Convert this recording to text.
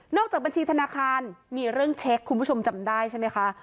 จากบัญชีธนาคารมีเรื่องเช็คคุณผู้ชมจำได้ใช่ไหมคะ